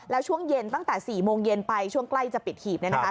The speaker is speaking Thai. แล้วช่วงเย็นตั้งแต่๔โมงเย็นไปช่วงใกล้จะปิดหีบ